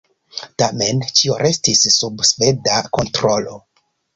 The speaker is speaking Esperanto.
Tamen ĉio restis sub sveda kontrolo.